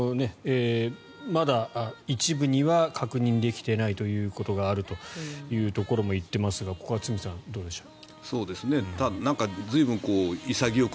まだ一部には確認できていないということがあるというところも言ってますがここは堤さんどうでしょう。